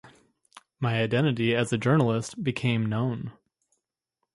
My identity as a journalist became known.